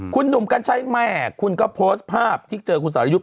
คุณหนุ่มกัญชัยแม่คุณก็โพสต์ภาพที่เจอคุณสรยุทธ์